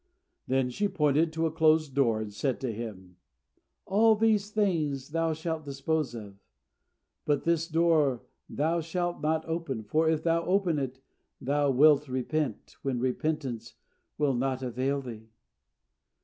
Then she pointed to a closed door, and said to him, "All these things thou shalt dispose of; but this door thou shalt not open; for if thou open it, thou wilt repent, when repentance will not avail thee."